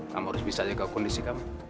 kamu harus bisa jaga kondisi kamu